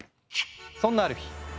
そんなある日。